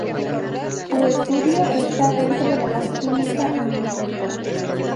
Su estudio está dentro de la química analítica.